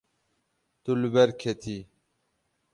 Tu li ber ketî.